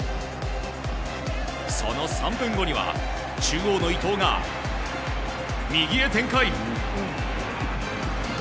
その３分後には中央の伊東が右へ展開。